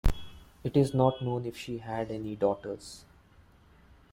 It is not known if she had any daughters.